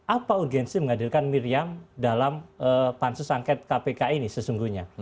apa urgensi menghadirkan miriam dalam pansus angket kpk ini sesungguhnya